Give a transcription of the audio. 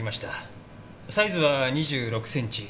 サイズは２６センチ。